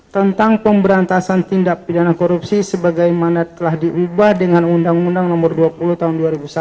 tentang pemberantasan tindak pidana korupsi sebagaimana telah diubah dengan undang undang nomor dua puluh tahun dua ribu satu